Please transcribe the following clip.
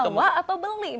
bawa atau beli